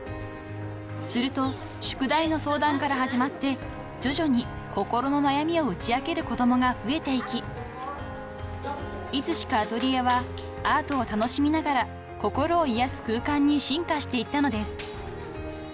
［すると宿題の相談から始まって徐々に心の悩みを打ち明ける子どもが増えていきいつしかアトリエはアートを楽しみながら心を癒やす空間に進化していったのです］